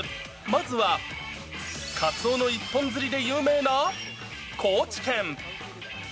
まずは、かつおの一本釣りで有名な高知県。